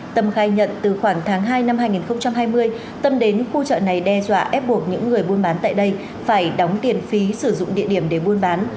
tâm khai nhận từ khoảng tháng hai năm hai nghìn hai mươi tâm đến khu chợ này đe dọa ép buộc những người buôn bán tại đây phải đóng tiền phí sử dụng địa điểm để buôn bán